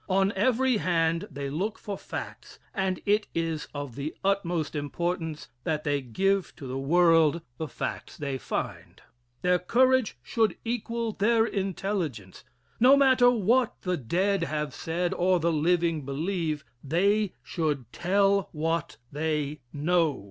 On every hand they look for facts, and it is of the utmost importance that they give to the world the facts they find. Their courage should equal their intelligence. No matter what the dead have said, or the living believe, they should tell what they know.